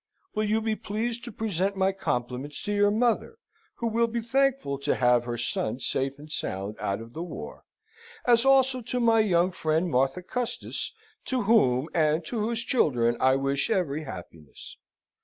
Will you be pleased to present my compliments to your mother, who will be thankful to have her son safe and sound out of the war, as also to my young friend Martha Custis, to whom and to whose children I wish every happiness.